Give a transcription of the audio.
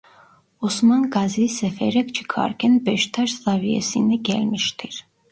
Osman Gazi sefere çıkarken Beştaş Zaviyesi'ne gelmiştir.